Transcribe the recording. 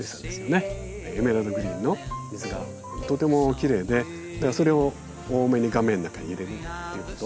エメラルドグリーンの水がとてもきれいでそれを多めに画面の中に入れるっていうこと。